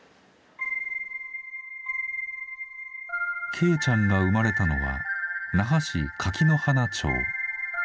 恵ちゃんが生まれたのは那覇市垣花町。